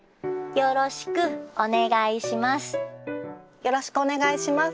よろしくお願いします。